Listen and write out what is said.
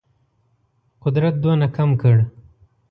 قدرت دونه کم کړ.